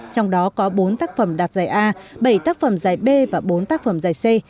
trong đó có bốn tác phẩm đạt giải a bảy tác phẩm giải b và bốn tác phẩm giải c